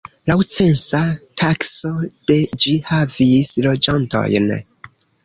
Laŭ censa takso de ĝi havis loĝantojn.